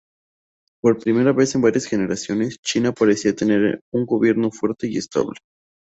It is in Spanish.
Por primera vez en varias generaciones, China parecía tener un gobierno fuerte y estable.